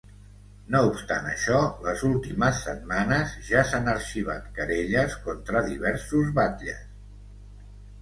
No obstant això, les últimes setmanes ja s’han arxivat querelles contra diversos batlles.